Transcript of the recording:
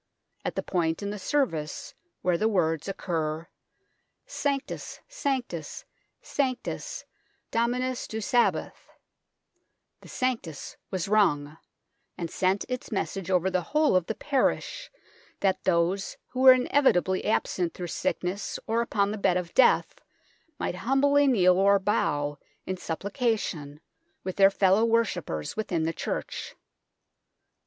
At the point in the service where the words occur, " Sanctus, Sanctus, Sanctus, Dominus Deus Sabaoth," the Sanctus was rung, and sent its message over the whole of the parish, that those who were in evitably absent through sickness or upon the bed of death might humbly kneel or bow in supplica tion with their fellow worshippers within the church.